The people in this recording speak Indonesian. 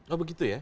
oh begitu ya